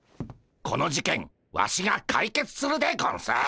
この事件ワシが解決するでゴンス。